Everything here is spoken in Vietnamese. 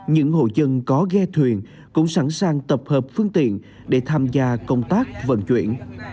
những hộ dân có ghe thuyền cũng sẵn sàng tập hợp phương tiện để tham gia công tác vận chuyển